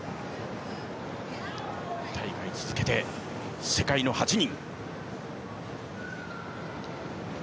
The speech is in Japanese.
２大会続けて世界の８人。